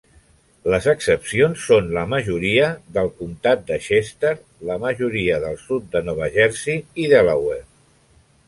Les excepcions són la majoria del Comtat de Chester, la majoria del sud de Nova Jersey, i Delaware.